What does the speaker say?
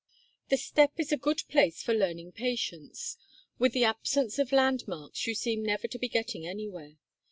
The steppe is a good place for learning patience. With the absence of landmarks, you seem never to be getting anywhere.